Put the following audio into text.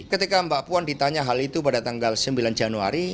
ketika mbak puan ditanya hal itu pada tanggal sembilan januari